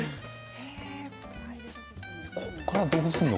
ここからどうするの？